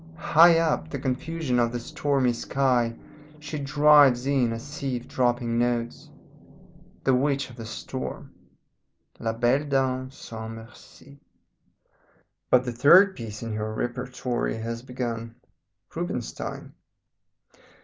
High up the confusion of the stormy sky she drives in a sieve dropping notes the witch of the storm. La Belle Dame Sans Merci. "But the third piece in her repertory has begun Rubinstein.